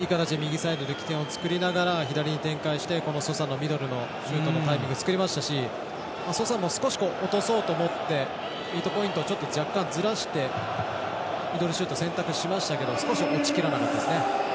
またいい形で右サイドで起点を作りながら左に展開して、ソサのミドルのタイミングを作りましたしソサも少し落とそうと思ってポイントを若干ずらしてミドルシュート選択しましたけど少し落ちきらなかったですね。